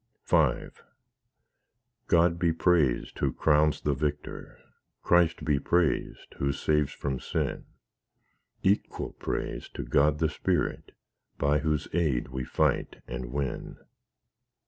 V God be praised who crowns the victor, Christ be praised who saves from sin; Equal praise to God the Spirit, By whose aid we fight and win.